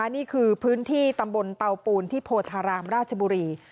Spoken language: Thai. นี่คือพื้นที่ตำบลเตาปูนที่โพธารามราชบุรี